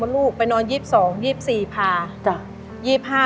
ลูกไปนอน๒๒๒๔พา